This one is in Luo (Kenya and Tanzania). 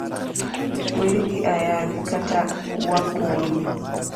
weri gi ayany, kata wagoyi.